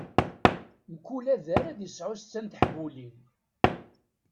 Mkul adar ad isɛu setta n teḥbulin.